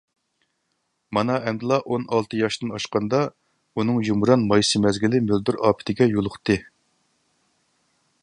مانا ئەمدىلا ئون ئالتە ياشتىن ئاشقاندا، ئۇنىڭ يۇمران مايسا مەزگىلى مۆلدۈر ئاپىتىگە يولۇقتى.